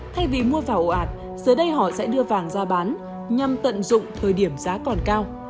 thay vì mua vào ổ ạt giờ đây họ sẽ đưa vàng ra bán nhằm tận dụng thời điểm giá còn cao